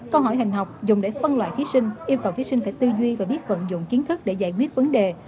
câu hỏi hình học dùng để phân loại thí sinh yêu cầu thí sinh phải tư duy và biết vận dụng kiến thức để giải quyết vấn đề